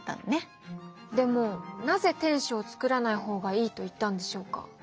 でもなぜ天守をつくらない方がいいと言ったんでしょうか？